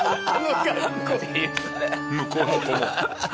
向こうの子も。